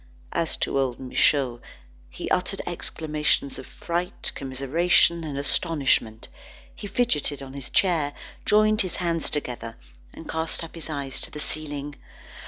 As to old Michaud, he uttered exclamations of fright, commiseration, and astonishment; he fidgeted on his chair, joined his hands together, and cast up his eyes to the ceiling.